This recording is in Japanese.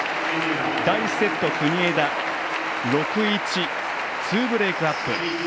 第１セット国枝６−１、２ブレークアップ。